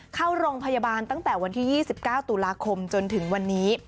เข้าโรงพยาบาลตั้งแต่วันที่๒๙ตุลาคมจนถึงวันนี้